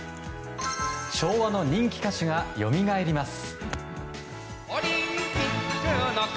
昭和の人気歌手がよみがえります。